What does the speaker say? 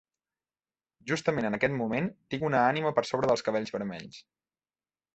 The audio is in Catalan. Justament en aquest moment tinc una ànima per sobre dels cabells vermells.